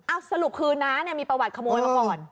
อ้าวสรุปคืนน้ามีประวัติขโมยมาก่อน